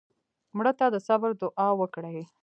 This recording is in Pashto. مړه ته د صبر دوعا وکړې